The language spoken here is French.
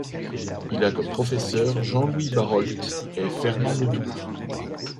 Il a comme professeurs Jean-Louis Barrault et Fernand Ledoux.